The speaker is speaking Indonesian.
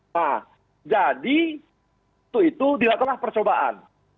nah jadi itu itu dilakukalah percobaan